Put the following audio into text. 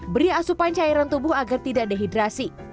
beri asupan cairan tubuh agar tidak dehidrasi